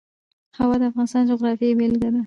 هوا د افغانستان د جغرافیې بېلګه ده.